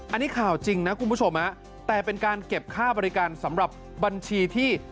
อันนี้ข่าวจริงนะคุณผู้ชมแต่เป็นการเก็บค่าบริการสำหรับบัญชีที่